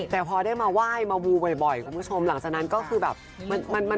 แต่พอได้มาไหว้มาบูบ่อยคุณผู้ชมหลังจากนั้นก็คือแบบ